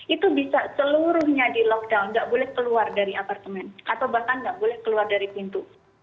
itu bisa seluruhnya di lockdown nggak boleh keluar dari apartemen atau bahkan nggak boleh keluar dari pintu